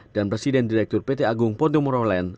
dan presiden direktur pt agung podomoro land